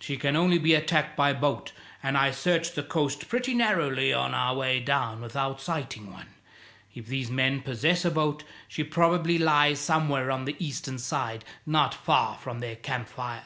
She can only be attacked by boat, and I searched the coast pretty narrowly on our way down without sighting one. If these men possess a boat, she probably lies somewhere on the eastern side, not far from their camp fire.